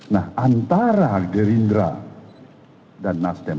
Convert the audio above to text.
nah antara gerindra dan nasdem